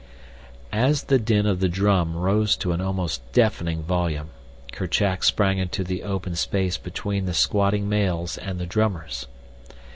As the din of the drum rose to almost deafening volume Kerchak sprang into the open space between the squatting males and the drummers.